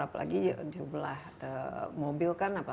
apalagi jumlah mobil